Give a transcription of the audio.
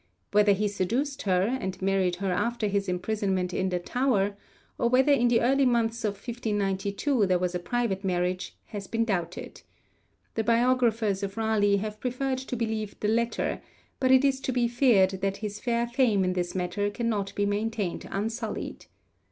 Whether he seduced her, and married her after his imprisonment in the Tower, or whether in the early months of 1592 there was a private marriage, has been doubted. The biographers of Raleigh have preferred to believe the latter, but it is to be feared that his fair fame in this matter cannot be maintained unsullied.